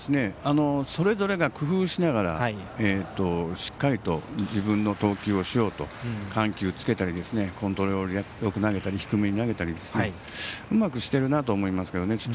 それぞれが工夫しながらしっかりと自分の投球をしようと緩急つけたりコントロールよく投げたり低めに投げたりうまくしてるなとは思いましたけどね。